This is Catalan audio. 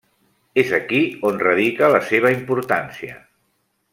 És aquí on radica la seva importància.